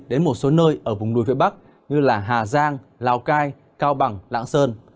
đến một số nơi ở vùng núi phía bắc như hà giang lào cai cao bằng lạng sơn